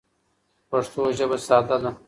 پښتو ژبه ساده ده.